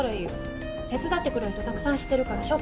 手伝ってくれる人たくさん知ってるから紹介する。